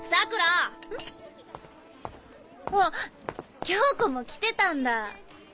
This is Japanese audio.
あっ恭子も来てたんだ。